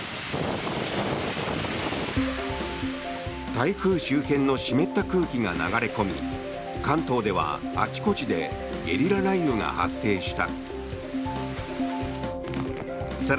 台風周辺の湿った空気が流れ込み関東ではあちこちでゲリラ雷雨が発生した。